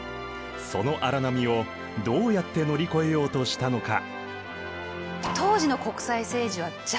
その荒波をどうやって乗り越えようとしたのか？